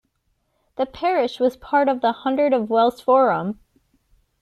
The parish was part of the hundred of Wells Forum.